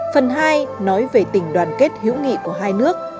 phần hai nói về tình đoàn kết hữu nghị của hai nước